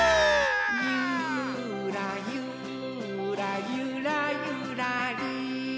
「ゆーらゆーらゆらゆらりー」